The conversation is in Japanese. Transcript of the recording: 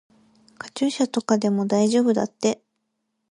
カチューシャとかでも大丈夫だって。